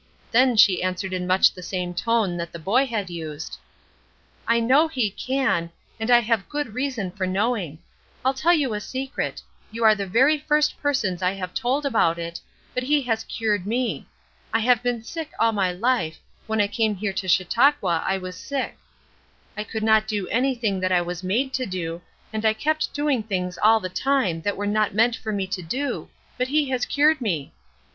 Then she answered in much the same tone that the boy had used: "I know he can, and I have good reason for knowing. I'll tell you a secret; you are the very first persons I have told about it, but he has cured me. I have been sick all my life, when I came here to Chautauqua I was sick. I could not do anything that I was made to do, and I kept doing things all the time that were not meant for me to do, but he has cured me."